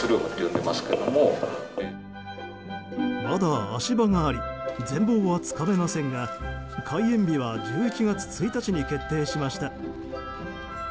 まだ、足場があり全貌はつかめませんが開園日は１１月１日に決定しました。